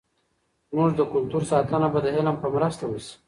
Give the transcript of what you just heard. زموږ د کلتور ساتنه به د علم په مرسته وسي.